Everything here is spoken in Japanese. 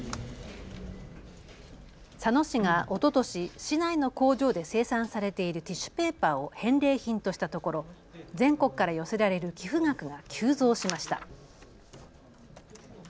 佐野市がおととし、市内の工場で生産されているティッシュペーパーを返礼品としたところ全国から寄せられる寄付額が急増しました。